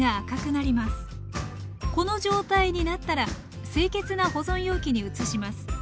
この状態になったら清潔な保存容器に移します。